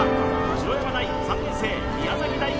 白山大３年生宮崎大輝